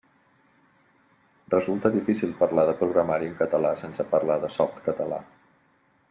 Resulta difícil parlar de programari en català sense parlar de Softcatalà.